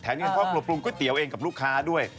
แถมนี้กันเพราะความปลูกปลูกก๋วยเตี๋ยวเองกับลูกค้าด้วย